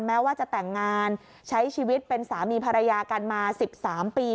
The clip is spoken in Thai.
แม้ว่าจะแต่งงานใช้ชีวิตเป็นสามีภรรยากันมา๑๓ปี